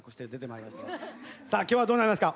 さあ今日はどうなりますか。